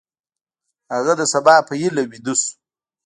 هغه د سبا په هیله ویده شو.